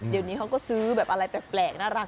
เดี๋ยวนี้เขาก็ซื้อแบบอะไรแปลกน่ารัก